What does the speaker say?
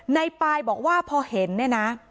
ในปายบอกว่าพอเห็นเนี่ยนะ